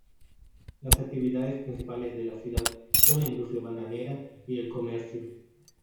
Las actividades principales de la ciudad son la industria bananera y el comercio.